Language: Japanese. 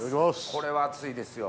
これは熱いですよ。